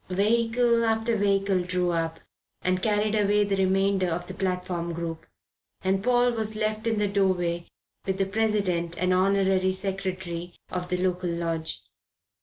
Vehicle after vehicle drew up and carried away the remainder of the platform group, and Paul was left in the doorway with the President and Honorary Secretary of the local lodge.